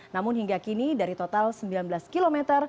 namun hingga kini dari total sembilan belas km